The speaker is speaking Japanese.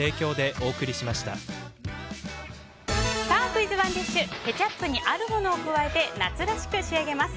クイズＯｎｅＤｉｓｈケチャップにあるものを加えて夏らしく仕上げます。